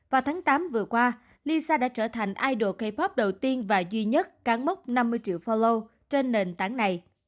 vào tháng tám vừa qua lisa đã trở thành idol k pop đầu tiên và duy nhất cán mốc năm mươi triệu follow trên nền tảng này